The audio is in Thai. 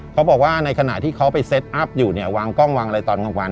เขาบอกว่าในขณะที่เขาไปเซตอัพอยู่เนี่ยวางกล้องวางอะไรตอนกลางวัน